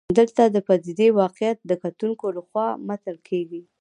دلته د پدیدې واقعیت د کتونکو لخوا منل کېږي.